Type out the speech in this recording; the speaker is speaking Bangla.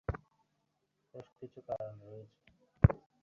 বেশ কিছু কারণ রয়েছে।